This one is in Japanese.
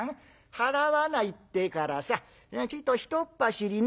払わないってからさちょいとひとっ走りね